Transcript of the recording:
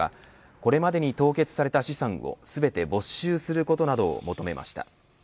これまでに凍結された資産を全て没収することなどを求めました。